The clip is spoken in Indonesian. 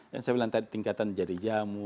yang saya bilang tadi tingkatan jari jamu